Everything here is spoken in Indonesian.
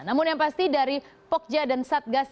namun yang pasti dari pokja dan satgas